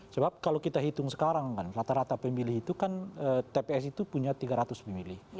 sebab kalau kita hitung sekarang kan rata rata pemilih itu kan tps itu punya tiga ratus pemilih